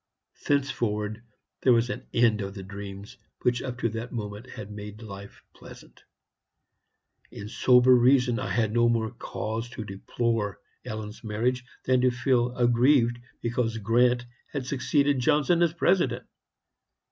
"Thenceforward there was an end of the dreams which up to that moment had made life pleasant. In sober reason I had no more cause to deplore Ellen's marriage than to feel aggrieved because Grant had succeeded Johnson as President.